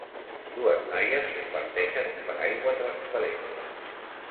Dues noies comparteixen un paraigua transparent